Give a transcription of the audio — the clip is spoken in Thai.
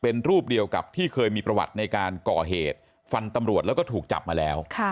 เป็นรูปเดียวกับที่เคยมีประวัติในการก่อเหตุฟันตำรวจแล้วก็ถูกจับมาแล้ว